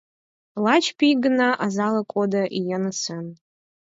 Лач пий гына азала кодо йыҥысен.